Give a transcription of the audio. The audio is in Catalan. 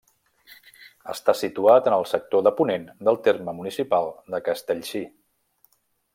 Està situat en el sector de ponent del terme municipal de Castellcir.